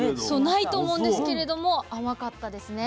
ないと思うんですけれどもあまかったですね。